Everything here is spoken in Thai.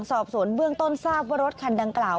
สอบสวนเบื้องต้นทราบว่ารถคันดังกล่าว